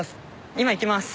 今行きます。